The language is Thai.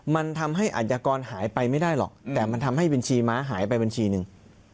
มันทำให้อาจยากรหายไปไม่ได้หรอกแต่มันทำให้บัญชีม้าหายไปบัญชีหนึ่ง